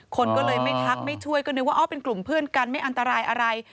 คนก็เลยไม่ทักไม่ช่วยก็นึกว่าอ๋อเป็นกลุ่มเพื่อนกันไม่อันตรายอะไร